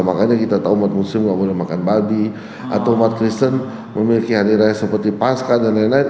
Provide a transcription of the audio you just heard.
makanya kita tahu umat muslim tidak boleh makan babi atau umat kristen memiliki hari raya seperti pasca dan lain lain